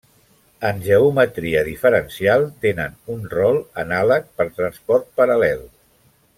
En geometria diferencial, tenen un rol anàleg per transport paral·lel.